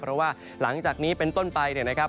เพราะว่าหลังจากนี้เป็นต้นไปเนี่ยนะครับ